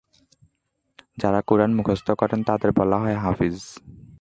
যাঁরা কুরআন মুখস্থ করেন তাঁদের বলা হয় হাফিজ।